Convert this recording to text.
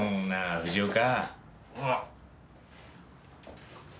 藤岡